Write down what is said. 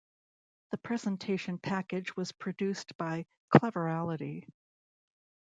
The presentation package was produced by Cleverality.